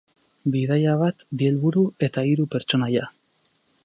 Bidaia bat, bi helburu eta hiru pertsonaia.